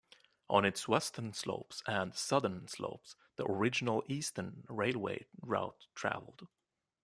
On its western slopes and southern slopes the original Eastern Railway route travelled.